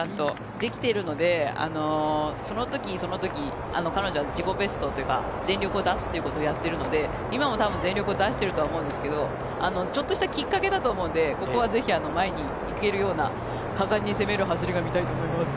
できているのでその時、その時彼女は自己ベストというか全力を出すということをやってるので今もたぶん、全力を出してるとは思うんですけどちょっとしたきっかけだと思うんですけどここはぜひ前に行けるような果敢に攻める走りが見たいと思います。